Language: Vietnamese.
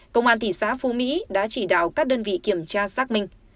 công an thị xã phú mỹ đã chỉ đạo các đơn vị kiểm tra xác minh